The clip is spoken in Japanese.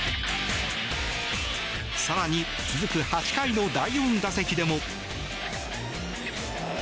更に、続く８回の第４打席でも。